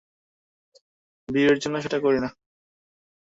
ভিউয়ের জন্য সেটা করি না।